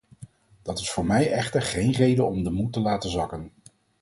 Dat is voor mij echter geen reden om de moed te laten zakken.